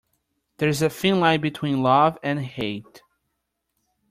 There is a thin line between love and hate.